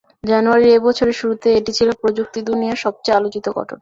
জানুয়ারি এ বছরের শুরুতে এটি ছিল প্রযুক্তি দুনিয়ার সবচেয়ে আলোচিত ঘটনা।